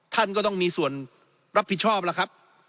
ท่านก็ต้องมีส่วนรับผิดชอบล่ะครับ